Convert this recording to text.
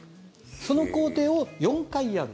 その工程を４回やる。